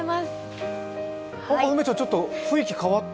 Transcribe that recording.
梅ちゃん、ちょっと雰囲気変わった？